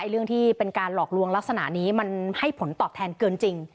เรื่องที่เป็นการหลอกลวงลักษณะนี้มันให้ผลตอบแทนเกินจริง